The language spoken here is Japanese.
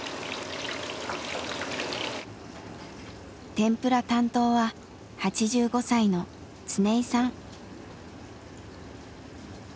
天ぷら担当は８５歳のつねいさん。